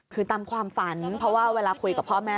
คือตามความฝันเพราะว่าเวลาคุยกับพ่อแม่